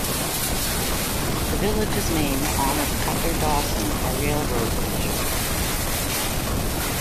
The village's name honors Cutler Dawson, a railroad official.